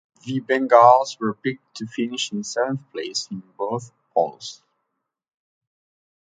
The Bengals were picked to finish in seventh place in both polls.